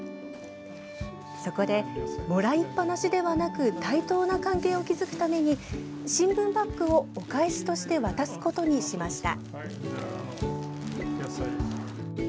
そこで、もらいっぱなしではなく対等な関係を築くために新聞バッグをお返しとして渡すことにしました。